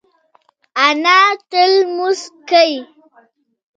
انا تل لمونځ کوي